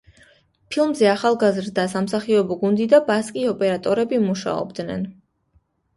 ფილმზე ახალგაზრდა სამსახიობო გუნდი და ბასკი ოპერატორები მუშაობდნენ.